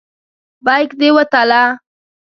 بیک دې وتله.